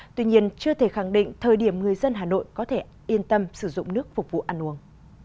tuy nhiên chưa thể khẳng định thời điểm người dân hà nội có thể yên tâm sử dụng nước phục vụ ăn uống